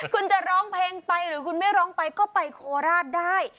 คุณจะร้องเพลงไปหรือคุณไม่ร้องไปก็ไปโคราชได้